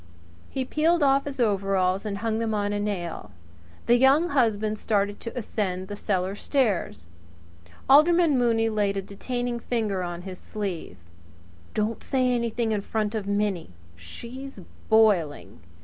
He peeled off his overalls and hung them on a nail. The Young Husband started to ascend the cellar stairs. Alderman Mooney laid a detaining finger on his sleeve. "Don't say anything in front of Minnie! She's boiling!